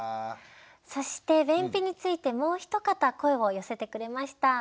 そして便秘についてもう一方声を寄せてくれました。